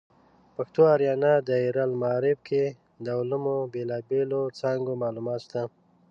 پښتو آریانا دایرة المعارف کې د علومو د بیلابیلو څانګو معلومات شته.